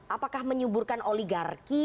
apakah menyuburkan oligarki